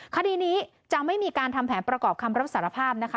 คดีนี้จะไม่มีการทำแผนประกอบคำรับสารภาพนะคะ